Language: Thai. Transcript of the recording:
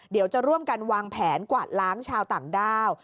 เดี๋ยวจะร่วมกันวางแผนกวาดล้างชาวต่างด้าว